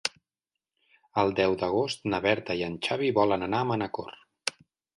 El deu d'agost na Berta i en Xavi volen anar a Manacor.